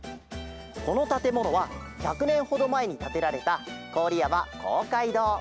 このたてものは１００ねんほどまえにたてられたこおりやまこうかいどう。